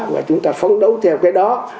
và chúng ta phấn đấu theo cái đó